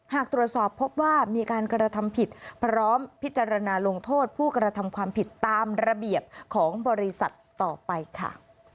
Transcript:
หากตรวจสอบพบว่ามีการกระทำผิดพร้อมพิจารณาลงโทษผู้กระทำความผิดตามระเบียบของบริษัทต่อไปค่ะ